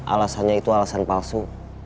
alasannya itu alasan palsu